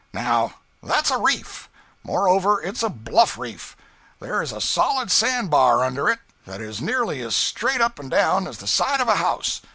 Now, that's a reef. Moreover, it's a bluff reef. There is a solid sand bar under it that is nearly as straight up and down as the side of a house.